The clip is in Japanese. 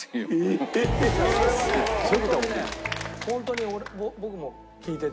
ホントに僕も聞いてて。